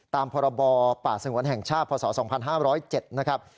ตามพรบป่าสงวนแห่งชาติพศ๒๕๐๗นะครับ